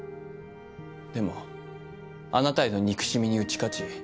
でもあなたへの憎しみに打ち勝ち